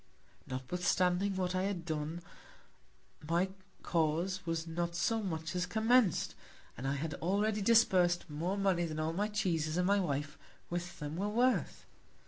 Notwithstanding what I had done, my Cause was not so much as commenc'd; and I had already disburs'd more Money than all my Cheeses and my Wife with them were worth.